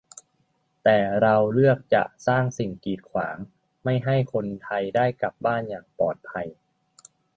แต่เราเลือกจะสร้างสิ่งกีดขวาง ไม่ให้คนไทยได้กลับบ้านอย่างปลอดภัย